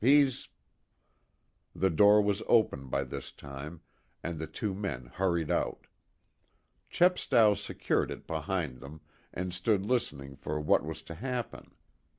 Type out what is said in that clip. He's " The door was open by this time, and the two men hurried out. Chepstow secured it behind them, and stood listening for what was to happen.